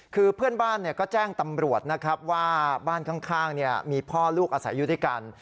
คือเพื่อนบ้านก็แจ้งตำรวจนะครับว่าบ้านข้างมีพ่อลูกอาศัยอยู่ด้วยกัน